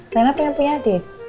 karena pengen punya adik